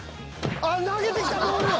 あっ投げてきたボール。